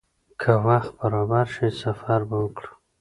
که وخت برابر شي، سفر به وکړو.